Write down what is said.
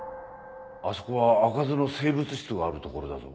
あそこは「あかずの生物室」がある所だぞ。